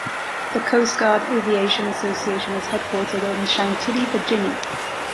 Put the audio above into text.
The Coast Guard Aviation Association is headquartered in Chantilly, Virginia.